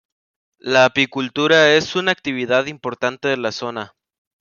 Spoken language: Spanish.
La apicultura es una actividad importante de la zona.